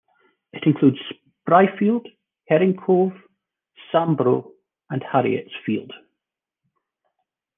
It includes Spryfield, Herring Cove, Sambro, and Harrietsfield.